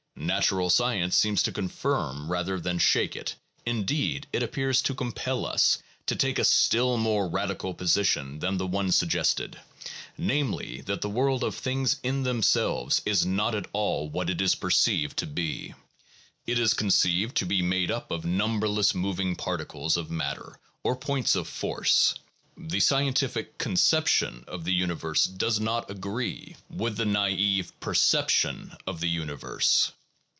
Natural science seems to confirm rather than shake it; indeed, it appears to compel us to take a still more radical position than the one suggested, namely, that the world of things in themselves is not at all what it is perceived to be. It is conceived to be made up of numberless moving particles of matter or points of force; the scientific conception of the universe does not agree with the No. 4.] RELATION OF CONSCIOUSNESS AND OBJECT. 4*9 naive perception of the universe.